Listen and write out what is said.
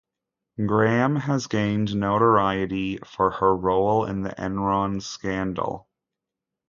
Gramm has gained notoriety for her role in the Enron scandal.